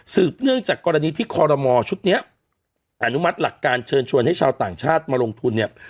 เนื่องจากกรณีที่คอรมอชุดนี้อนุมัติหลักการเชิญชวนให้ชาวต่างชาติมาลงทุนเนี่ย